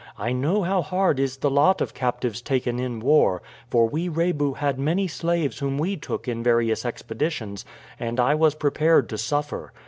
"I know how hard is the lot of captives taken in war, for we Rebu had many slaves whom we took in various expeditions, and I was prepared to suffer.